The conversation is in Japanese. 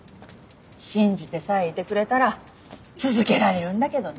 信じてさえいてくれたら続けられるんだけどね。